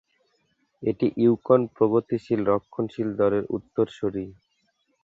এটি ইউকন প্রগতিশীল রক্ষণশীল দলের উত্তরসূরি।